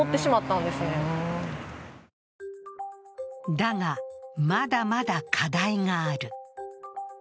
だが、まだまだ課題がある。